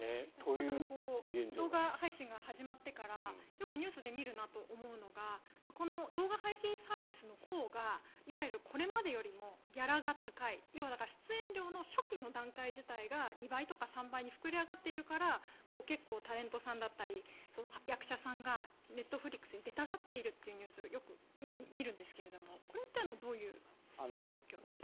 ただ動画配信が始まってからよくニュースで見るなと思うのが動画配信サービスのほうがいわゆる、これまでよりもギャラが高い要は出演料の初期の段階が２倍とか３倍に膨れ上がっているから結構、タレントさんだったり役者さんがネットフリックスに出たがっているっていうニュースよく見るんですけどこれっていうのはどういう状況ですか？